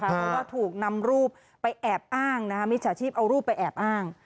เพราะว่าถูกนำรูปไปแอบอ้างมิจฉาชีพเอารูปไปแอบอ้าง